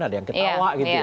ada yang ketawa gitu ya